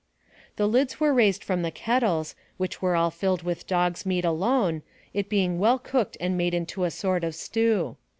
The lids were raised from the kettles, which were all filled with dog's meat alone, it being well cooked and made into a sort of stew.